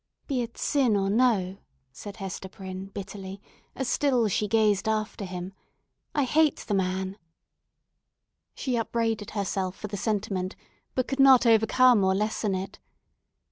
"Be it sin or no," said Hester Prynne, bitterly, as still she gazed after him, "I hate the man!" She upbraided herself for the sentiment, but could not overcome or lessen it.